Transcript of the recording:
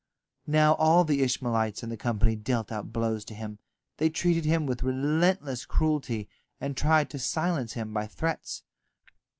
Now all the Ishmaelites in the company dealt out blows to him. They treated him with relentless cruelty, and tried to silence him by threats.